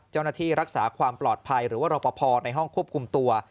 เจ้าหน้าที่รักษาความปลอดภัยหรือว่ารอปภในห้องควบคุมตัว